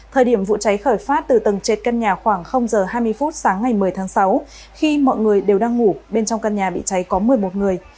thời điểm vụ cháy khởi phát từ tầng trệt căn nhà khoảng h hai mươi phút sáng ngày một mươi tháng sáu khi mọi người đều đang ngủ bên trong căn nhà bị cháy có một mươi một người